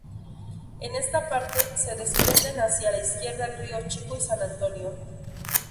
En esta parte, se desprenden hacia la izquierda el río Chico y San Antonio.